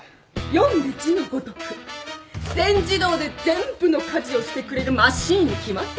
読んで字のごとく全自動で全部の家事をしてくれるマシンに決まってるじゃない。